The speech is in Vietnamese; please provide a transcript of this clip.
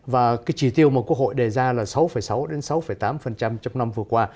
và cái chỉ tiêu mà quốc hội đề ra là sáu sáu đến sáu tám trong năm vừa qua